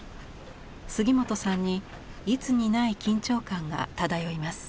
杉本さんにいつにない緊張感が漂います。